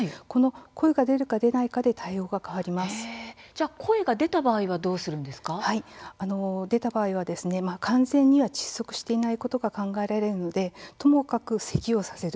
声が出るか出ないかで声が出た場合は出た場合は完全には窒息していないことが考えられるのでとにかく、せきをさせる。